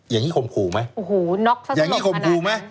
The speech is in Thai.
อย่างนี้คมขู่ไหมอย่างนี้คมขู่ไหม